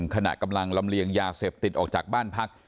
ขณะกำลังลำเลียงยาเสพติดออกจากบ้านพัก